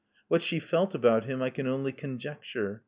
What she felt about him I can only conjecture.